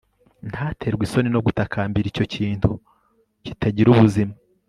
ntaterwe isoni no gutakambira icyo kintu kitagira ubuzima